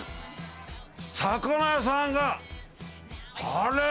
魚屋さんがあれ？